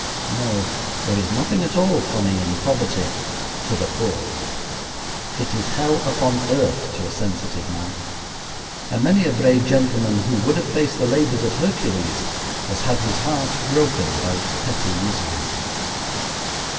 No, there is nothing at all funny in poverty to the poor. It is hell upon earth to a sensitive man; and many a brave gentleman who would have faced the labors of Hercules has had his heart broken by its petty miseries.